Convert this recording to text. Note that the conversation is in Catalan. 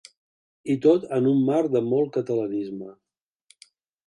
I tot en un marc de molt catalanisme.